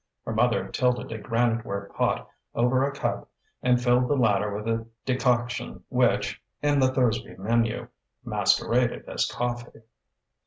Her mother tilted a granite ware pot over a cup and filled the latter with the decoction which, in the Thursby menu, masqueraded as coffee.